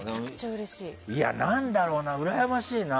何だろうな、うらやましいな。